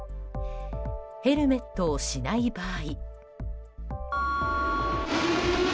ヘルメットをしない場合。